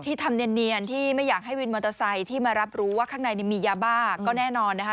ทำเนียนที่ไม่อยากให้วินมอเตอร์ไซค์ที่มารับรู้ว่าข้างในมียาบ้าก็แน่นอนนะคะ